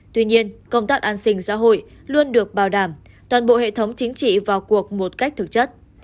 tuy nhiên công tác an sinh xã hội luôn được bảo đảm toàn bộ hệ thống chính trị vào cuộc một cách thực chất